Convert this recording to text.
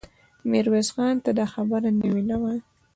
ميرويس خان ته دا خبرې نوې نه وې.